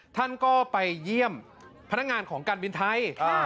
ท่านก็ไปเยี่ยมพนักงานของการบินไทย